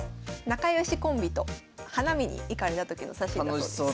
仲良しコンビと花見に行かれた時の写真だそうです。